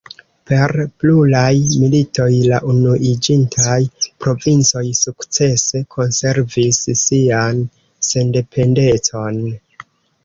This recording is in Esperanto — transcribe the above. Per pluraj militoj, la Unuiĝintaj Provincoj sukcese konservis sian sendependecon.